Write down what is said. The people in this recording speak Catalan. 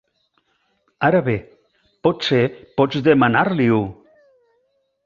Ara bé, potser pots demanar-li-ho.